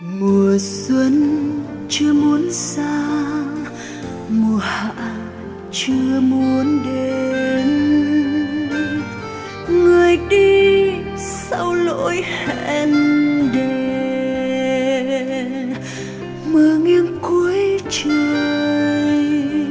mùa xuân chưa muốn xa mùa hạ chưa muốn đến người đi sau lỗi hẹn đề mưa nghiêng cuối trời